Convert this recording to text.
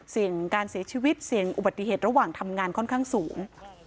การเสียชีวิตเสี่ยงอุบัติเหตุระหว่างทำงานค่อนข้างสูง